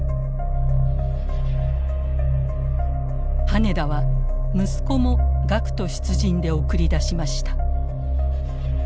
羽田は息子も学徒出陣で送り出しました。